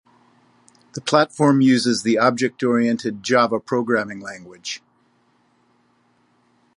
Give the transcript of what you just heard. The platform uses the object-oriented Java programming language.